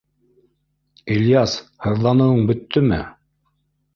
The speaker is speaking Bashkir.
— Ильяс, һыҙланыуың бөттөмө?